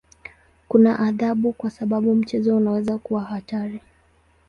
Kuna adhabu kwa sababu mchezo unaweza kuwa hatari.